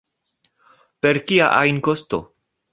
Per kia ajn kosto.